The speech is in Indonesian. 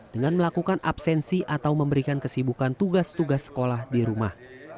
dengan melakukan absensi atau memberikan kesibukan tugas tugas sekolah di rumah